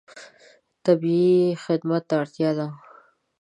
طبیعي خدمت ته اړتیا ده.